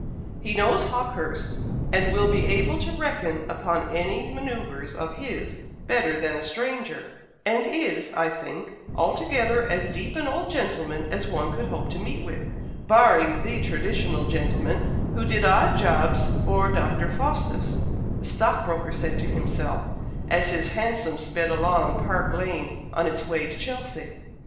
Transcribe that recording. "He knows Hawkehurst, and will be able to reckon up any manoeuvres of his better than a stranger; and is, I think, altogether as deep an old gentleman as one could hope to meet with, barring the traditional gentleman who did odd jobs for Dr. Faustus," the stockbroker said to himself, as his hansom sped along Park Lane on its way to Chelsea.